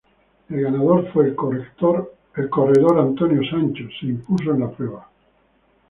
El ganador fue el corredor Antonio Sancho se impuso en la prueba.